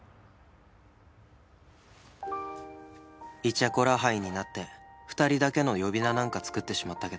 イチャコラハイになって２人だけの呼び名なんか作ってしまったけど